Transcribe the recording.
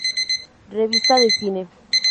Revista de cine